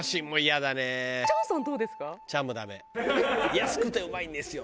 「安くてうまいんですよ！」